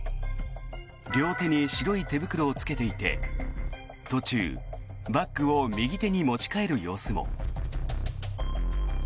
両手に白い手袋をつけていて途中、バッグを右手に持ち替える様子も。